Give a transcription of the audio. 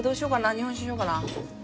日本酒にしようかな。